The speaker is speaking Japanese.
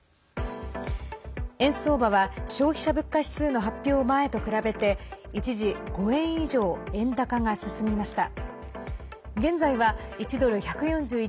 円相場は消費者物価指数の発表前と比べて一時、５円以上円高が進みました。